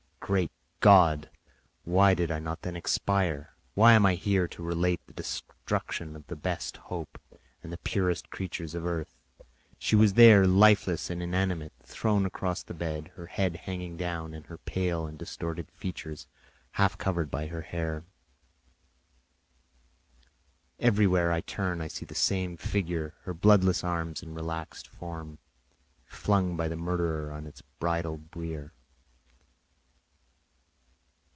Great God! Why did I not then expire! Why am I here to relate the destruction of the best hope and the purest creature on earth? She was there, lifeless and inanimate, thrown across the bed, her head hanging down and her pale and distorted features half covered by her hair. Everywhere I turn I see the same figure—her bloodless arms and relaxed form flung by the murderer on its bridal bier.